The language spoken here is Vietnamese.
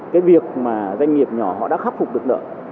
cái việc mà doanh nghiệp nhỏ họ đã khắc phục được nợ